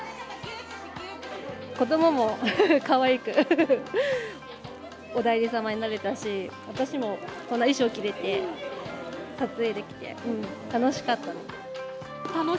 子どももかわいく、お内裏様になれたし、私もこんな衣装を着れて、楽しかったです。